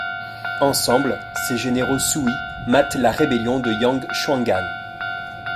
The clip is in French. Ensemble, ces généraux Sui matent la rébellion de Yang Xuangan.